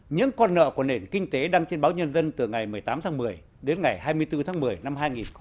những con nợ của nền kinh tế đăng trên báo nhân dân từ ngày một mươi tám tháng một mươi đến ngày hai mươi bốn tháng một mươi năm hai nghìn một mươi tám